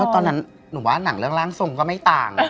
ก็ตอนนั้นหนังเรื่องล่างทรงก็ไม่ต่าง